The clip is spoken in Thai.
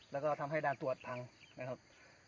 แล้วก็ทำให้ด่านตรวจพังนะครับ